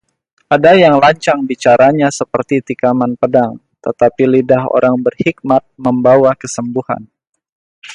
Ada yang lancang bicaranya seperti tikaman pedang, tetapi lidah orang berhikmat membawa kesembuhan.